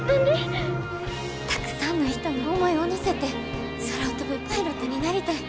たくさんの人の思いを乗せて空を飛ぶパイロットになりたい。